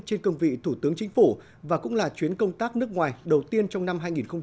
trên công vị thủ tướng chính phủ và cũng là chuyến công tác nước ngoài đầu tiên trong năm hai nghìn một mươi bảy